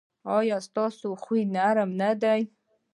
ایا ستاسو خوی نرم نه دی؟